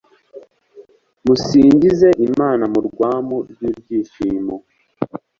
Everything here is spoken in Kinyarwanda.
musingize Imana mu rwamu rw’ibyishimo